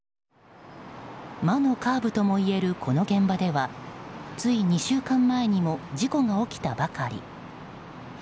魔のカーブともいえるこの現場ではつい２週間前にも事故が起きたばかり。